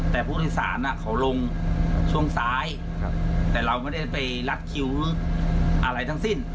แต่ผู้โดยสารเขาลงช่วงซ้ายแต่เราไม่ได้ไปรัดคิ้วอะไรทั้งสิ้น